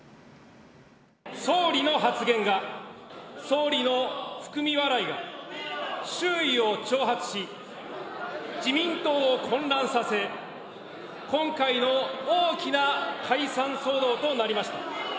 総理の発言が、総理の含み笑いが、周囲を挑発し、自民党を混乱させ、今回の大きな解散騒動となりました。